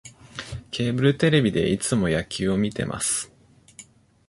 ケーブルテレビでいつも野球を観てます